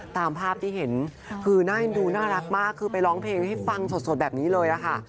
ตามภาพที่เห็นคือน่าเห็นดูน่ารักมากคือไปร้องเพลงให้ฟังสดแบบนี้เลยค่ะ